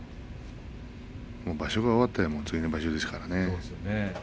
場所が終わったらすぐに次の場所ですからね。